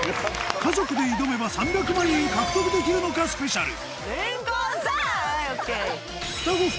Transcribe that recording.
家族で挑めば３００万円獲得できるのかスペシャルはいＯＫ。